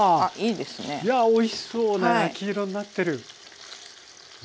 いやおいしそうな焼き色になってる。